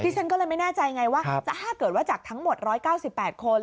ฉันก็เลยไม่แน่ใจไงว่าถ้าเกิดว่าจากทั้งหมด๑๙๘คน